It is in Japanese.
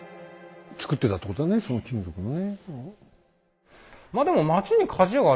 作ってたってことだねその金属のね。